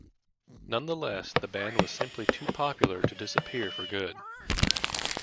Nonetheless, the band was simply too popular to disappear for good.